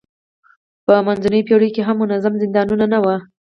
په منځنیو پېړیو کې هم منظم زندانونه نه وو.